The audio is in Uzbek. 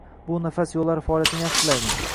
Bu nafas yo'llari faoliyatini yaxshilaydi.